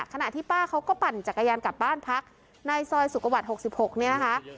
ขณะที่ป้าเขาก็ปั่นจักรยานกลับบ้านพักในซอยสุขสวรรค์๖๖เนี่ยนะคะ